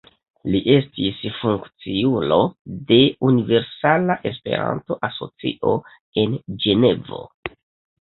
Li estis funkciulo de Universala Esperanto-Asocio en Ĝenevo.